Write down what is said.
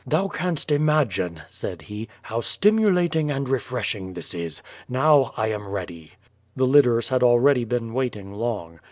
"Thou canst imagine," said he, "how stimulating and refreshing this is. Now I am ready." The litters had already been waiting long.